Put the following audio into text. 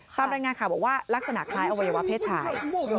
ตามรายงานข่าวบอกว่าลักษณะคล้ายอวัยวะเพศชาย